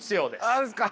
そうですか。